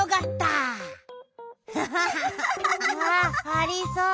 あありそう。